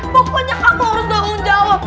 pokoknya kamu harus tahu jawab